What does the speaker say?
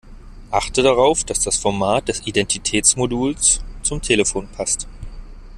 Achte darauf, dass das Format des Identitätsmoduls zum Telefon passt.